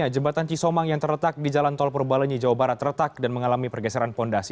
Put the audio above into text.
jembatan cisomang yang terletak di jalan tol purbalenyi jawa barat retak dan mengalami pergeseran fondasi